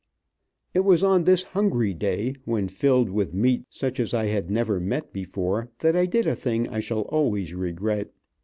It was on this hungry day, when filled with meat such as I had never met before that I did a thing I shall always regret.